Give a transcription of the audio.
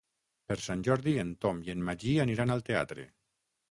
Per Sant Jordi en Tom i en Magí aniran al teatre.